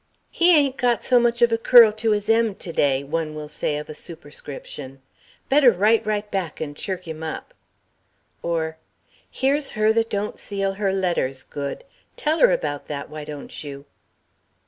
("He ain't got so much of a curl to his M to day," one will say of a superscription. "Better write right back and chirk 'im up." Or, "Here's Her that don't seal her letters good. Tell her about that, why don't you?"